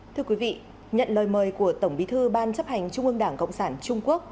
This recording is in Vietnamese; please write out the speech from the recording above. thưa quý vị nhận lời mời của tổng bí thư ban chấp hành trung ương đảng cộng sản trung quốc